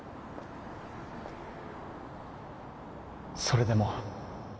それでも